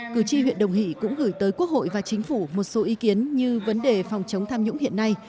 cử tri huyện đồng hỷ cũng gửi tới quốc hội và chính phủ một số ý kiến như vấn đề phòng chống tham nhũng hiện nay